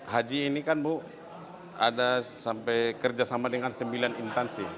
haji ini kan bu ada sampai kerjasama dengan sembilan intansi